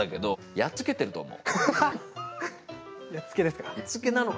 やっつけですか？